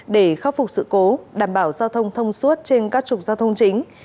để khắc phục sự cố đảm bảo giao thông thông suốt trên các trục giao thông chính